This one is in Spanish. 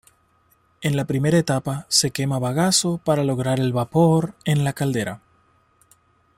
En la primera etapa se quema bagazo para lograr el vapor en la caldera.